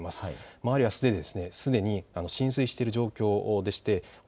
周りはすでに浸水している状況です。